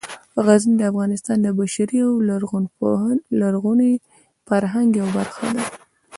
غزني د افغانستان د بشري او لرغوني فرهنګ یوه برخه ده.